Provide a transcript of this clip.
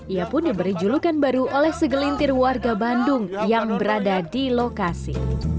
ia pun diberi julukan baru oleh segelintir warga bandung yang berada di lokasi